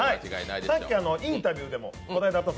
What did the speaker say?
さっきインタビューでもあって。